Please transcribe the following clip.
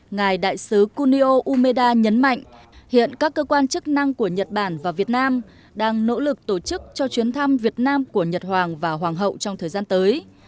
ngài đại sứ kunio umeda nhấn mạnh hiện các cơ quan chức năng của nhật bản và việt nam đang nỗ lực tổ chức cho chuyến thăm việt nam của nhật hoàng và hoàng hậu trong thời gian tới